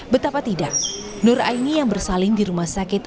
betapa tidak nur aini yang bersalin di rumah sakit